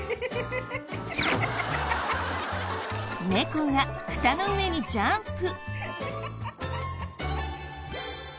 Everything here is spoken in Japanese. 猫がフタの上にジャンプ！